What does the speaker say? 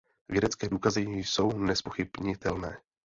Vědecké důkazy jsou nezpochybnitelné.